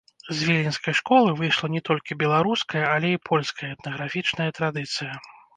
З віленскай школы выйшла не толькі беларуская, але і польская этнаграфічная традыцыя.